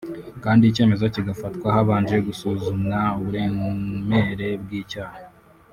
kandi icyemezo kigafatwa habanje gusuzumwa uburemere bw’icyaha